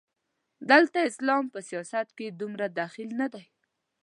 دلته اسلام په سیاست کې دومره دخیل نه دی.